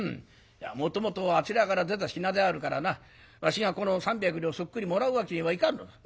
もともとはあちらから出た品であるからなわしがこの三百両をそっくりもらうわけにはいかんのだ。